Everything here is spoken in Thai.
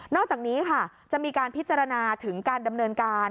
อกจากนี้ค่ะจะมีการพิจารณาถึงการดำเนินการ